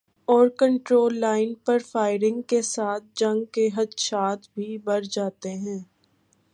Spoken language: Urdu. اورکنٹرول لائن پر فائرنگ کے ساتھ جنگ کے خدشات بھی بڑھ جاتے ہیں۔